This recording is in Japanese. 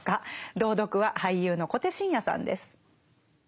朗読は俳優の小手伸也さんです。